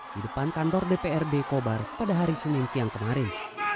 di depan kantor dprd kobar pada hari senin siang kemarin